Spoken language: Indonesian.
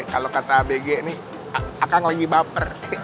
kalau kata abg nih akang lagi baper